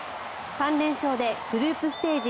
３連勝でグループステージ